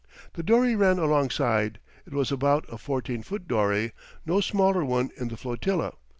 The dory ran alongside. It was about a 14 foot dory no smaller one in the flotilla.